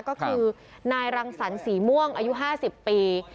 ก็คือนายรังสรรสีม่วงอายุ๕๐ปี